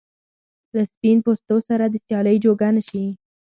له سپین پوستو سره د سیالۍ جوګه نه شي.